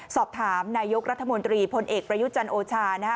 สอบถามนายกรัฐมนตรีพลเอกประยุจันทร์โอชานะฮะ